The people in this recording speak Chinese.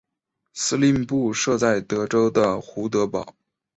司令部设在德州的胡德堡。